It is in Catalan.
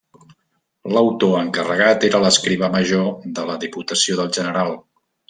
L'autor encarregat era l'escrivà major de la Diputació del General.